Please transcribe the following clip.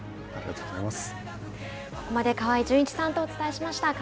ここまで河合純一さんとお伝えしました。